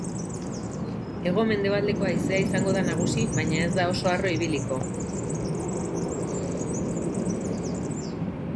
Hego-mendebaldeko haizea izango da nagusi, baina ez da oso harro ibiliko.